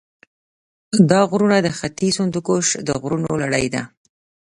دا غرونه د ختیځ هندوکش د غرونو لړۍ ده.